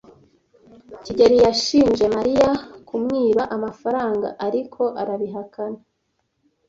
kigeli yashinje Mariya kumwiba amafaranga, ariko arabihakana.